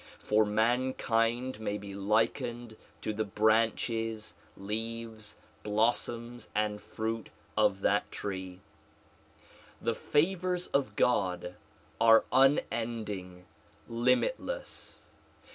For mankind may be likened to the branches, leaves, blossoms and fruit of that tree. The favors of God are unending, limitless.